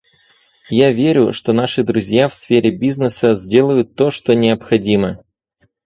Я верю, что наши друзья в сфере бизнеса сделают то, что необходимо.